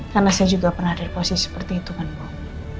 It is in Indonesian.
karena saya juga pernah di posisi seperti itu kan mbak